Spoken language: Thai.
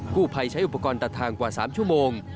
ผู้ภัยใช้อุปกรณ์ตัดทางกว่า๓ชั่วโมง